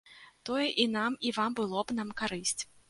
Тое і нам, і вам было б на карысць.